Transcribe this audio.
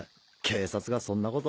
警察がそんな事。